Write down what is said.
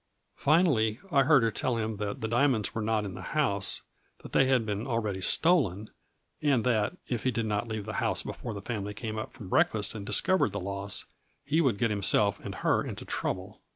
Finally, I heard her tell him that the diamonds were not in the house, that they had been already stolen, and that, if he did not leave the house before the family came up from breakfast 212 A FLURBY IN DIAMONDS . and discovered the loss, he would get himself and her into trouble.